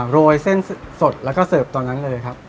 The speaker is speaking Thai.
โรยเส้นสดแล้วก็เสิร์ฟตอนนั้นเลยครับ